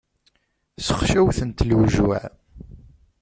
Sexcawten-t lewjuɛ.